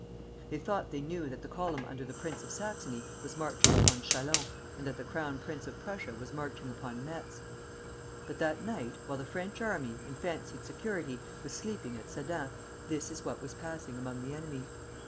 They thought they knew that the column under the Prince of Saxony was marching upon Châlons, and that the Crown Prince of Prussia was marching upon Metz. "But that night, while the French army, in fancied security, was sleeping at Sedan, this is what was passing among the enemy.